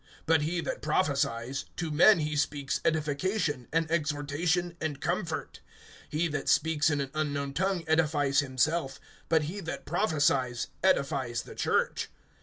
(3)But he that prophesies, to men he speaks edification, and exhortation, and comfort. (4)He that speaks in an unknown tongue edifies himself; but he that prophesies edifies the church.